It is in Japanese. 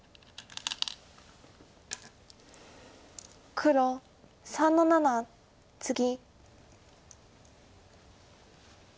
黒３の七ツギ。